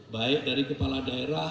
baik dari kepala daerah